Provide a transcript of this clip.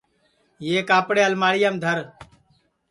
یہ کاپڑے الماڑِیام دھر